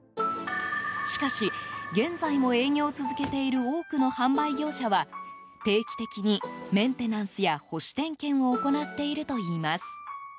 しかし、現在も営業を続けている多くの販売業者は、定期的にメンテナンスや保守点検を行っているといいます。